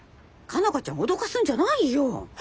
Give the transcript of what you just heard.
佳奈花ちゃんを脅かすんじゃないよ。